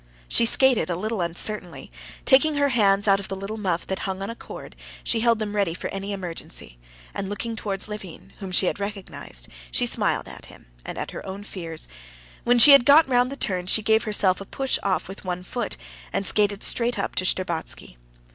She skated a little uncertainly; taking her hands out of the little muff that hung on a cord, she held them ready for emergency, and looking towards Levin, whom she had recognized, she smiled at him, and at her own fears. When she had got round the turn, she gave herself a push off with one foot, and skated straight up to Shtcherbatsky.